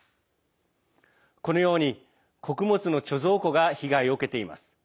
このように穀物の貯蔵庫が被害を受けています。